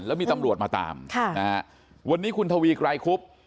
แล้วมีตำรวจมาตามค่ะนะฮะวันนี้คุณทวีไกรคุบ